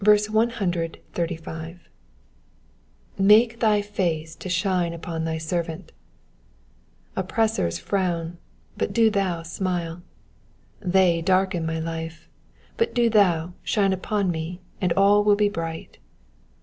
^^Make thy face to Mm upon thy servant,^ ^ Oppressors frown, but do thou smile. They darken my life, but do thou shine upon me, and all will be bright.